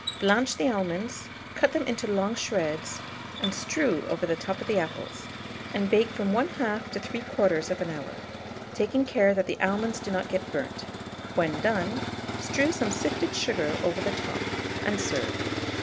Blanch the almonds, cut them into long shreds, and strew over the top of the apples, and bake from 1/2 to 3/4 hour, taking care that the almonds do not get burnt: when done, strew some sifted sugar over the top, and serve.